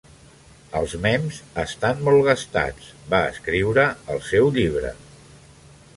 "Els mems estan molt gastats" va escriure al seu llibre.